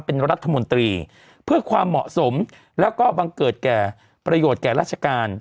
เป็นรัฐมนตรีเพื่อความเหมาะสมแล้วก็บังเกิดแก่ประโยชน์แก่ราชการ